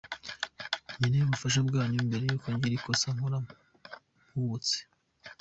Nkeneye ubufasha bwanyu mbere y’uko ngira ikosa nkora mpubutse.